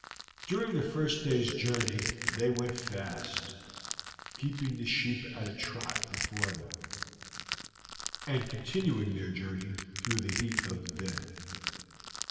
During the first day's journey they went fast, keeping the sheep at a trot before them, and continuing their journey through the heat of the day.